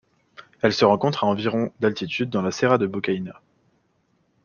Elle se rencontre à environ d'altitude dans la Serra da Bocaina.